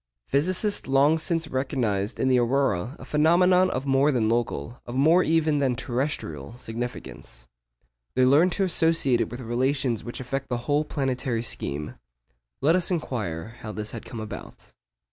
Physicists long since recognised in the aurora a phenomenon of more than local, of more even than terrestrial, significance. They learned to associate it with relations which affect the whole planetary scheme. Let us inquire how this had come about.